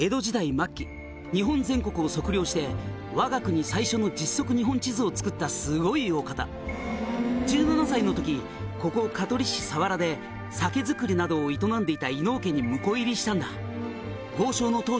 末期日本全国を測量してわが国最初の実測日本地図を作ったすごいお方」「１７歳の時ここ香取市佐原で酒造りなどを営んでいた伊能家に婿入りしたんだ」